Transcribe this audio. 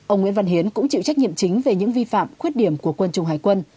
ông nguyễn văn hiến cũng chịu trách nhiệm chính về những vi phạm khuyết điểm của quân chủng hải quân